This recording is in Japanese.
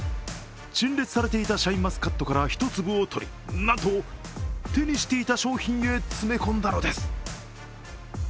陳列されていたシャインマスカットから１粒を取りなんと手にしていた商品へ詰め込んだのです。